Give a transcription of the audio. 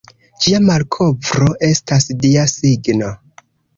Ĝia malkovro estas Dia signo.